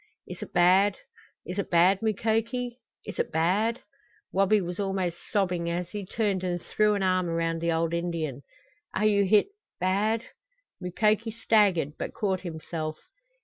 "Is it bad? Is it bad, Mukoki? Is it bad " Wabi was almost sobbing as he turned and threw an arm around the old Indian. "Are you hit bad?" Mukoki staggered, but caught himself.